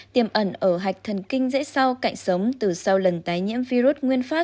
tiềm ẩn ở hạch thần kinh dễ sau cạnh sống từ sau lần tái nhiễm virus